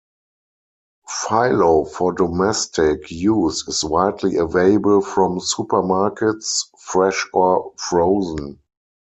Filo for domestic use is widely available from supermarkets, fresh or frozen.